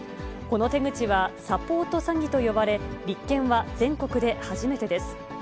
この手口は、サポート詐欺と呼ばれ、立件は全国で初めてです。